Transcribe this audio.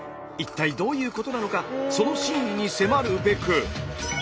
一体どういうことなのかその真意に迫るべく。